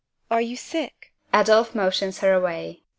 Are you sick? (ADOLPH motions her away.)